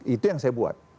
itu yang saya buat